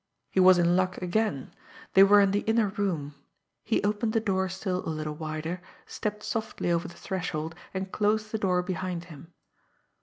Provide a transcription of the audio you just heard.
He was in luck again! They were in the inner room. He opened the door still a little wider, stepped softly over the threshold, and closed the door behind him.